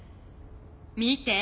見て！